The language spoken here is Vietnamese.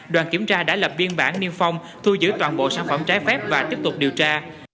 đoàn kiểm tra đã lập biên bản niêm phong thu giữ toàn bộ sản phẩm trái phép và tiếp tục điều tra